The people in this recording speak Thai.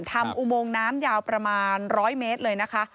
อุโมงน้ำยาวประมาณ๑๐๐เมตรเลยนะคะ